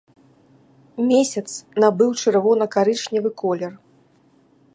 Месяц набыў чырвона-карычневы колер.